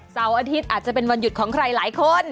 เสาร์อาทิตย์อาจจะเป็นวันหยุดของใครหลายคน